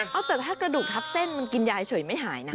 เอาแต่ถ้ากระดูกทับเส้นมันกินยายเฉยไม่หายนะ